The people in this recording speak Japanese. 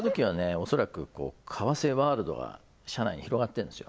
おそらく河瀬ワールドが社内に広がってるんですよ